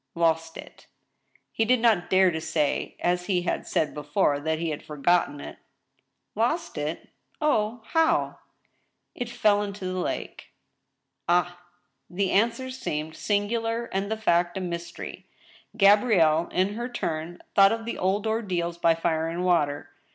Lost it." He did not dare to say, as he had said before, that he had forgotten it. " Lost it ?— oh, how ?" "It fell into the lake." "Ah!" The answer seemed singular and the fact a mystery. Gabrielle, in her turn, thought of the old ordeals by fire and water.